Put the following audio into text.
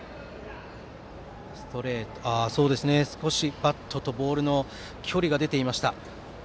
少しバットとボールの距離が出ていました。